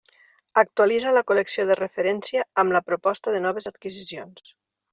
Actualitza la col·lecció de referència amb la proposta de noves adquisicions.